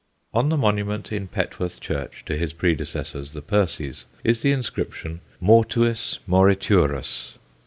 On the monument in Pet worth church to his predecessors, the Percies, is the inscrip tion Mortuis moriturus.